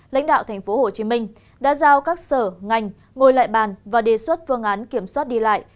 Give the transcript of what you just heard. lãnh đạo tp hcm đã giao các sở ngành ngồi lại bàn và đề xuất phương án kiểm soát đi lại